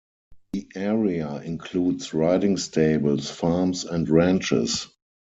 The area includes riding stables, farms, and ranches.